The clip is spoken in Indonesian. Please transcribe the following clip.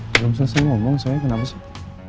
belum selesai ngomong soalnya kenapa sih